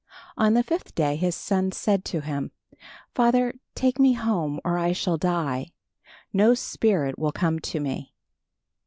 On the fifth day his son said to him, "Father, take me home or I shall die. No spirit will come to me."